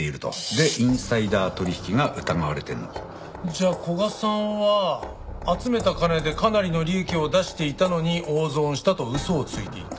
でインサイダー取引が疑われてるの。じゃあ古賀さんは集めた金でかなりの利益を出していたのに大損したと嘘をついていた。